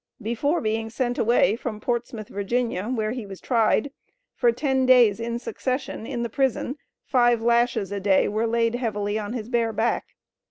Before being sent away from Portsmouth, Va., where he was tried, for ten days in succession in the prison five lashes a day were laid heavily on his bare back.